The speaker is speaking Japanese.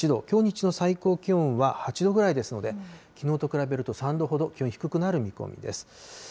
きょう日中の最高気温は８度ぐらいですので、きのうと比べると３度ほど気温低くなる見込みです。